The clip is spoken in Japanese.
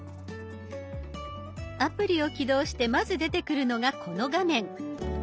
アプリを起動してまず出てくるのがこの画面。